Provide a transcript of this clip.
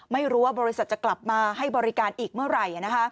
ไม่รู้ว่าบริษัทจะกลับมาให้บริการอีกเมื่อไหร่